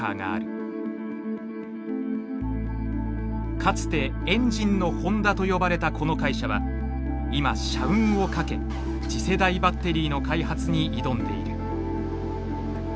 かつて「エンジンのホンダ」と呼ばれたこの会社は今社運をかけ次世代バッテリーの開発に挑んでいる。